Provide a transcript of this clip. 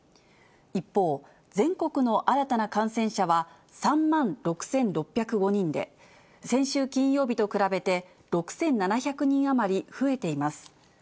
一方、全国の新たな感染者は３万６６０５人で、先週金曜日と比べて６７００人余り増えています。